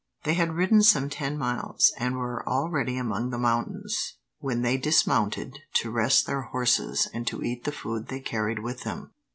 They had ridden some ten miles, and were already among the mountains, when they dismounted to rest their horses and to eat the food they carried with them.